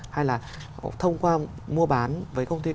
hay là họ thông qua mua bán với các doanh nghiệp đó